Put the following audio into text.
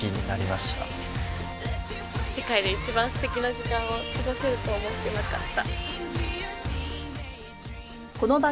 世界で一番素敵な時間を過ごせると思ってなかった。